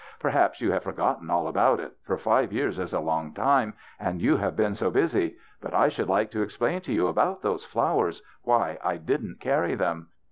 Per haps you have forgotten all about it, for five years is a long time and you have been so busy; but I should like to explain to you about those flowers — why I didn't carry them.